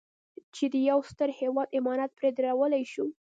چې د یو ستر هېواد عمارت پرې درولی شو.